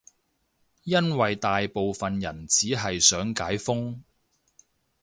因爲大部分人只係想解封